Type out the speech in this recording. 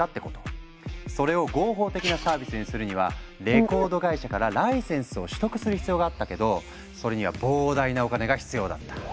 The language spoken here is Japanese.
それを合法的なサービスにするにはレコード会社からライセンスを取得する必要があったけどそれには膨大なお金が必要だった。